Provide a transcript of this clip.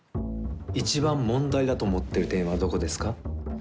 一番問題だと思ってる点はどこですか？